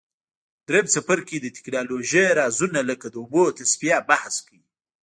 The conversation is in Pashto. دریم څپرکی د تکنالوژۍ رازونه لکه د اوبو تصفیه بحث کوي.